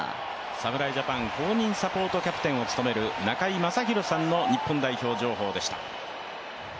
侍ジャパン公認サポートキャプテンを務める中居正広さんの日本代表情報でした。